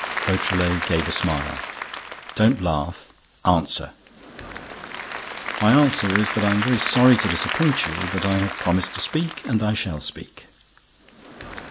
Beautrelet gave a smile. "Don't laugh—answer!" "My answer is that I am very sorry to disappoint you, but I have promised to speak and I shall speak."